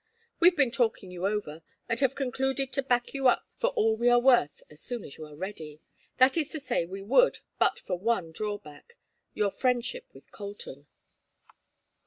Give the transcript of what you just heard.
We've been talking you over, and have concluded to back you up for all we are worth as soon as you are ready that is to say we would but for one drawback your friendship with Colton."